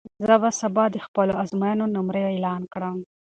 زه به سبا د خپلو ازموینو نمرې اعلان کړم.